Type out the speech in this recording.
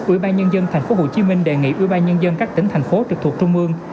ubnd tp hcm đề nghị ubnd các tỉnh thành phố trực thuộc trung ương